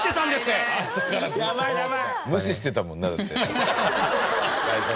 無視してたもんなだって。